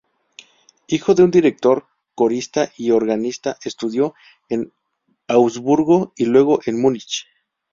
Hijo de un director, corista y organista estudió en Augsburgo y luego en Múnich.